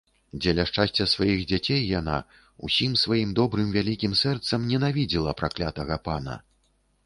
Дзеля шчасця сваіх дзяцей яна, усім сваім добрым вялікім сэрцам, ненавідзела праклятага пана.